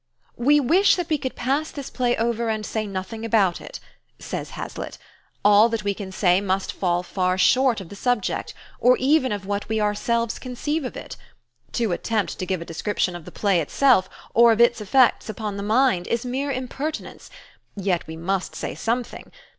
"We wish that we could pass this play over and say nothing about it," says Hazlitt, "all that we can say must fall far short of the subject, or even of what we ourselves conceive of it. To attempt to give a description of the play itself, or of its effects upon the mind, is mere impertinence; yet we must say something.